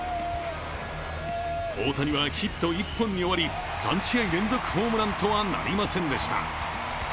大谷はヒット１本に終わり３試合連続ホームランとはなりませんでした。